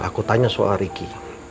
aku tanya soal ricky